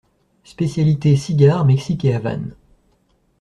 Spécialité cigares Mexique et Havane.